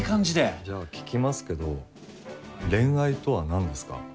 じゃあ聞きますけど恋愛とは何ですか？